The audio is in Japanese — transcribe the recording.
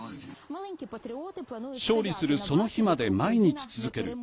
勝利するその日まで毎日続ける。